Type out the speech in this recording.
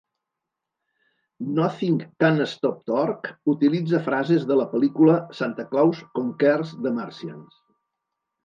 "Nothing Can Stop Torg" utilitza frases de la pel·lícula 'Santa Claus Conquers the Martians'.